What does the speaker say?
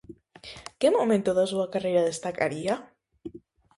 Que momento da súa carreira destacaría?